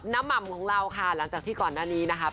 หม่ำของเราค่ะหลังจากที่ก่อนหน้านี้นะคะ